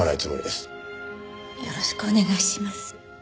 よろしくお願いします。